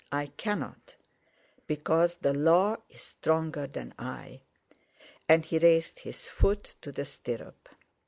I cannot, because the law is stronger than I," and he raised his foot to the stirrup.